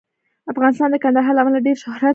افغانستان د کندهار له امله ډېر شهرت لري.